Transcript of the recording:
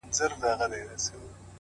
چي د دفتر همكاران وايي راته _